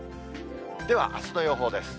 ではあすの予報です。